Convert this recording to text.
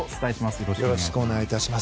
よろしくお願いします。